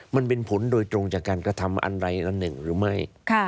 มันเป็นผลโดยตรงจากการกระทำอันใดอันหนึ่งหรือไม่